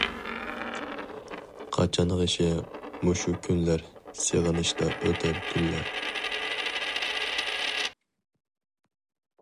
قاچانغىچە مۇشۇ كۈنلەر، سېغىنىشتا ئۆتەر تۈنلەر.